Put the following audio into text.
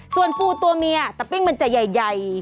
ส่วนปูตัวเมียแต่ปิ้งมันจะใหญ่